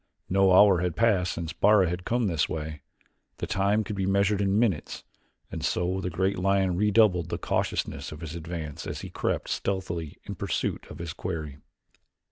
No hour had passed since Bara had come this way; the time could be measured in minutes and so the great lion redoubled the cautiousness of his advance as he crept stealthily in pursuit of his quarry.